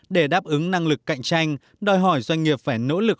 để đáp ứng năng lực cạnh tranh đòi hỏi doanh nghiệp phải nỗ lực